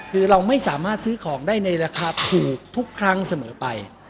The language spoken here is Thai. คือเราไม่สามารถซื้อของได้ในราคาถูกทุกครั้งเสมอไป